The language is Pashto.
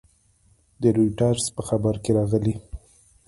د رویټرز په خبر کې راغلي